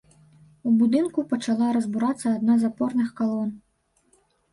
У будынку пачала разбурацца адна з апорных калон.